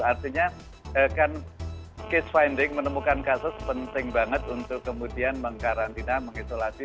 artinya kan case finding menemukan kasus penting banget untuk kemudian mengkarantina mengisolasi